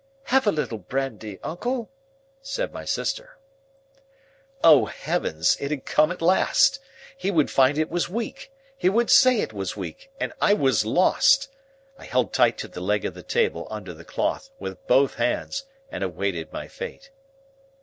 "Have a little brandy, uncle," said my sister. O Heavens, it had come at last! He would find it was weak, he would say it was weak, and I was lost! I held tight to the leg of the table under the cloth, with both hands, and awaited my fate.